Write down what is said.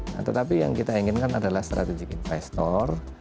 nah tetapi yang kita inginkan adalah strategic investor